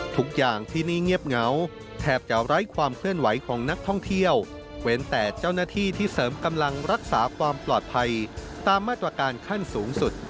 ทุกอย่างที่นี่เงียบเหงาแทบจะไร้ความเคลื่อนไหวของนักท่องเที่ยวเว้นแต่เจ้าหน้าที่ที่เสริมกำลังรักษาความปลอดภัยตามมาตรการขั้นสูงสุด